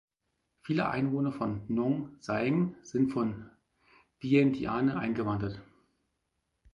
Viele Einwohner von Nong Saeng sind von Vientiane eingewandert.